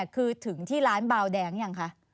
คือถึงที่ร้านเบาแดงยังคะ